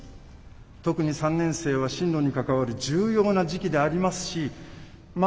特に３年生は進路に関わる重要な時期でありますしま